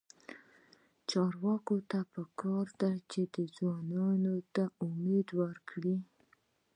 چارواکو ته پکار ده چې، ځوانانو ته امید ورکړي.